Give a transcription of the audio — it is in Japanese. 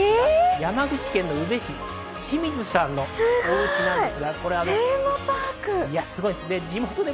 山口県の宇部市、清水さんのおうちなんです。